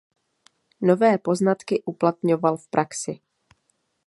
Nové poznatky uplatňoval v praxi.